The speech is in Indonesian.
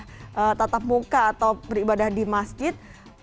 tetapi kalau tidak bisa tetap muka atau beribadah di masjid